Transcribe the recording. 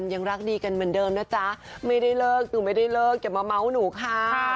อย่ามาเมาส์หนูค่ะ